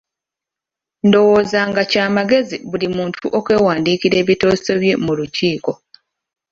Ndowooza nga kya magezi buli muntu okwewandiikira ebiteeso bye mu lukiiko.